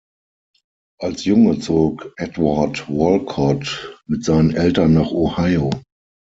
Als Junge zog Edward Wolcott mit seinen Eltern nach Ohio.